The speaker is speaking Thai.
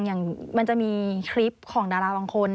อย่างมันจะมีคลิปของดาราบางคน